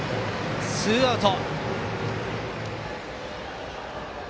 ツーアウト。